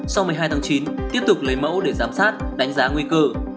sau một mươi hai tháng chín tiếp tục lấy mẫu để giám sát đánh giá nguy cơ